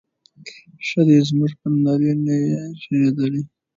ښه دی زموږ پر نړۍ نه یې زیږیدلی